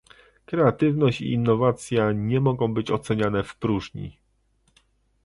Kreatywność i innowacja nie mogą być oceniane w próżni